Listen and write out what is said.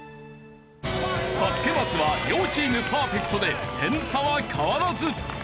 助けマスは両チームパーフェクトで点差は変わらず。